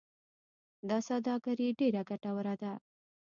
دا سوداګري ډیره ګټوره ده.